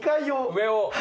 上を？